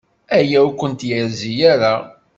Aya ur kent-yerzi ara.